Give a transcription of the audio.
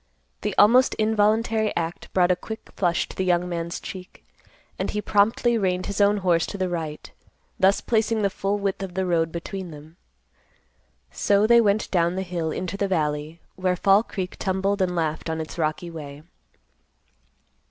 The almost involuntary act brought a quick flush to the young man's cheek, and he promptly reined his own horse to the right, thus placing the full width of the road between them. So they went down the hill into the valley, where Fall Creek tumbled and laughed on its rocky way.